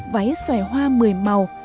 váy xòe hoa một mươi màu